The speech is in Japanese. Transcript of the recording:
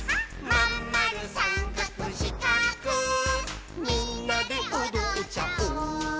「まんまるさんかくしかくみんなでおどっちゃおう」